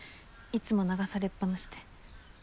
いつも流されっぱなしで。